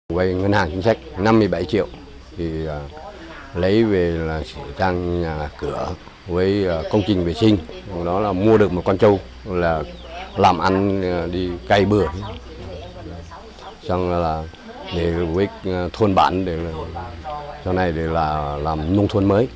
quay ngân hàng chính sách năm mươi bảy triệu lấy về là chỉ trang